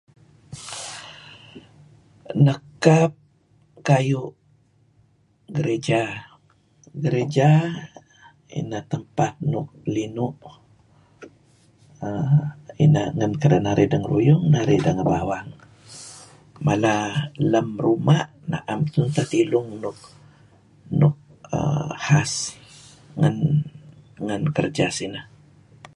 Nekap kayu' gereja, gereja inah tempat linu' uhm inan ngen kedinarih dengabawang. Mala lem ruma' naem tun teh tilung nuk uhm khas ngen kerja sineh.